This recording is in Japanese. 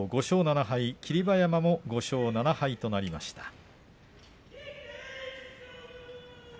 両者とも５勝７敗となりました。